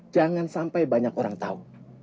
jangan sampai banyak orang tahu